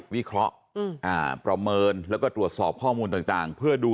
วิเคราะห์ประเมินแล้วก็ตรวจสอบข้อมูลต่างเพื่อดู